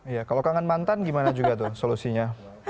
iya kalau kangen mantan gimana juga tuh solusinya